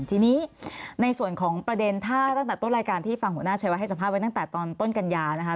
ทีนี้ในส่วนของประเด็นถ้าตั้งแต่ต้นรายการที่ฟังหัวหน้าชัยวัดให้สัมภาษณ์ไว้ตั้งแต่ตอนต้นกัญญานะคะ